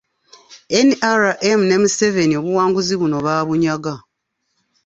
NRM ne Museveni obuwanguzi buno baabunyaga.